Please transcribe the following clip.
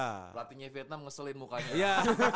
berarti vietnam ngeselin mukanya